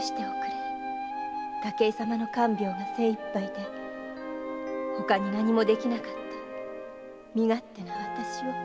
武井様の看病で精いっぱいで他に何もできなかった身勝手なわたしを